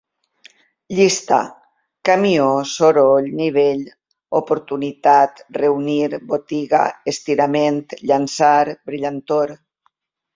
Llista: camió, soroll, nivell, oportunitat, reunir, botiga, estirament, llançar, brillantor